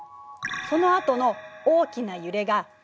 そのあとの大きな揺れが「主要動」。